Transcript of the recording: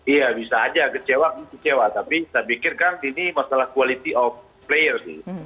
iya bisa aja kecewa tapi saya pikir kan ini masalah quality of player sih